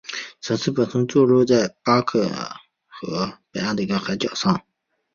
城市本身坐落在巴克尔河北岸的一个海角上。